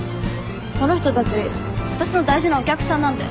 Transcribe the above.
この人たち私の大事なお客さんなんで。